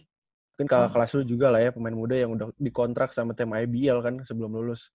mungkin kakak kelas lu juga lah ya pemain muda yang udah dikontrak sama tim ibl kan sebelum lulus